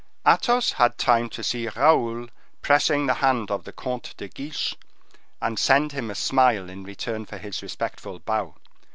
Athos had time to see Raoul pressing the hand of the Comte de Guiche, and send him a smile in return for his respectful bow.